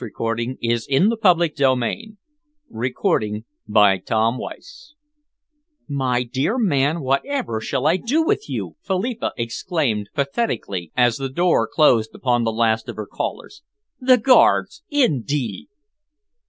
"I noticed him in church last Sunday morning." CHAPTER XX "My dear man, whatever shall I do with you!" Philippa exclaimed pathetically, as the door closed upon the last of her callers. "The Guards, indeed!"